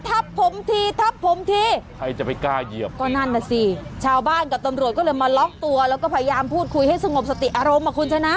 ทับผมทีทับผมทีชาวบ้านกับตำรวจก็เลยมาล็อกตัวแล้วก็พยายามพูดคุยให้สงบสติอารมณ์คุณชนะ